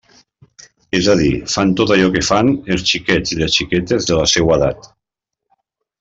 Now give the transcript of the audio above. És a dir, fan tot allò que fan els xiquets i les xiquetes de la seua edat.